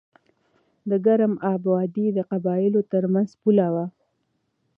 د ګرم آب وادي د قبایلو ترمنځ پوله وه.